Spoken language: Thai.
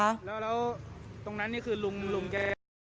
แล้วตรงนั้นนี่คือลุงลุงแก